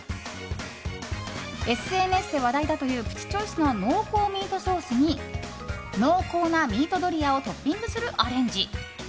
ＳＮＳで話題だというプチチョイスの濃厚ミートソースに濃厚なミートドリアをトッピングするアレンジ。